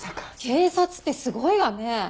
警察ってすごいわね。